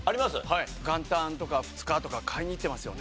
元旦とか二日とか買いに行ってますよね。